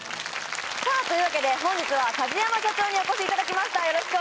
さあというわけで本日は梶山社長にお越しいただきました